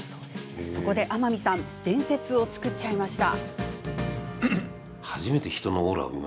そこで天海さん伝説を作っちゃいました。